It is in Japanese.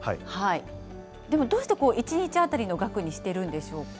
でもどうして、１日当たりの額にしているんでしょうか。